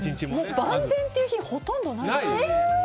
万全っていう日はほとんどないです。